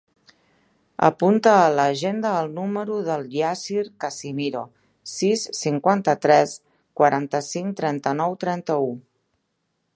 Apunta a l'agenda el número del Yassir Casimiro: sis, cinquanta-tres, quaranta-cinc, trenta-nou, trenta-u.